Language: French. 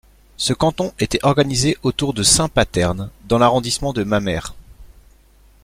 Ce canton était organisé autour de Saint-Paterne dans l'arrondissement de Mamers.